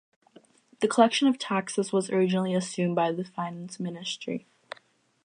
The collection of taxes was originally assumed by the Finance Ministry.